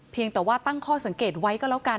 แต่ว่าตั้งข้อสังเกตไว้ก็แล้วกัน